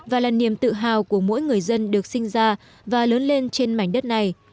và là niềm tự hào của mỗi người dân được sinh ra và lớn lên trên mảnh đất này